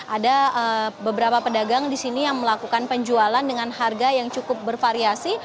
ada beberapa pedagang di sini yang melakukan penjualan dengan harga yang cukup bervariasi